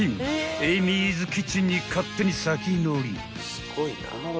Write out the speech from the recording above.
［エィミーズキッチンに勝手に先乗り］